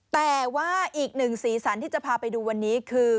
แต่ก็ปุ่นกันไปดูสีสันคือ